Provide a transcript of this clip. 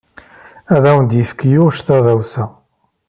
Ad awen-yefk Yuc tadawsa.